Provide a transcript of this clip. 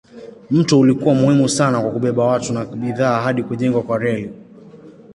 Mto ulikuwa muhimu sana kwa kubeba watu na bidhaa hadi kujengwa kwa reli.